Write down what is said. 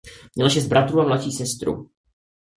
Měla šest bratrů a mladší sestru.